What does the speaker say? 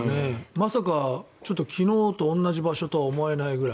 まさか昨日と同じ場所とは思えないくらい。